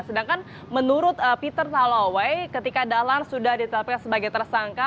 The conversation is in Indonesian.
sedangkan menurut peter talawai ketika dahlan sudah ditetapkan sebagai tersangka